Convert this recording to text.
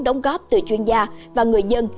đóng góp từ chuyên gia và người dân